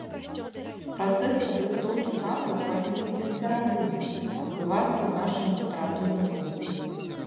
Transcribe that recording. Працэс падрыхтоўкі кадраў павінен бесперапынна адбывацца ў нашым літаратурным руху.